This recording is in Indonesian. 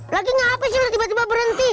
lagi ngapain sih lu tiba tiba berhenti